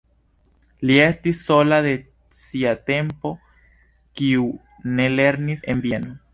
Li estis sola de sia tempo, kiu ne lernis en Vieno.